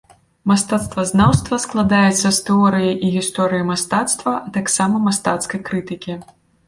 Мастацтвазнаўства складаецца з тэорыі і гісторыі мастацтва, а таксама мастацкай крытыкі.